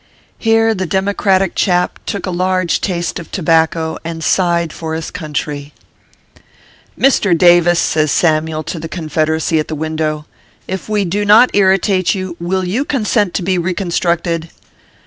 Here the democratic chap took a large taste of to bacco, and sighed for his country. ORPHEUS C. KERR PAPERS. 275 " Mr. Davis/ says Samyule to the Confederacy at the window, " if we do not irritate you, will you con sent to be reconstructed